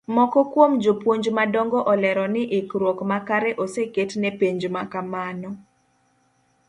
Moko kuom jo puonj madongo olero ni ikruok makare oseket ne penj makamano.